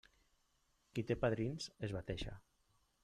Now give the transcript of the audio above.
Qui té padrins es bateja.